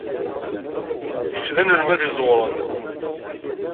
Kečč d anelmad iẓewren.